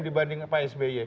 dibanding pak sby